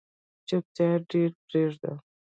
چوپتیا دې پریږده